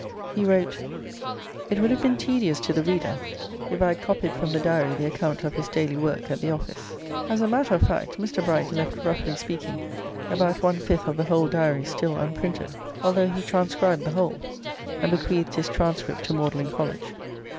He wrote: "It would have been tedious to the reader if I had copied from the Diary the account of his daily work at the office." As a matter of fact, Mr. Bright left roughly speaking about one fifth of the whole Diary still unprinted, although he transcribed the whole, and bequeathed his transcript to Magdalene College.